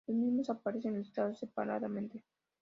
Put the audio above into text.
Los mismos aparecen listados separadamente.